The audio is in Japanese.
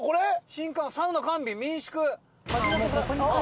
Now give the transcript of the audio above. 「新館サウナ完備民宿橋本」。